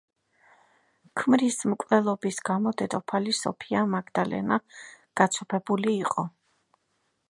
ქმრის მკვლელობის გამო დედოფალი სოფია მაგდალენა გაცოფებული იყო.